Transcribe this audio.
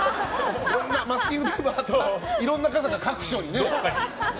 マスキングテープを貼ったいろんな傘が各所にね。